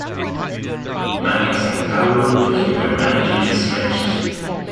Mannix and Calwell became permanently estranged.